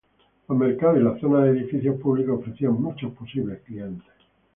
Los mercados y las zonas de edificios públicos ofrecían muchos posibles clientes.